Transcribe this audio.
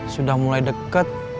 sudah mulai deket